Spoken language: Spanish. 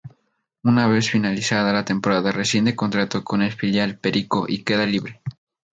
Una vez finalizada la temporada rescinde contrato con el filial perico y queda libre.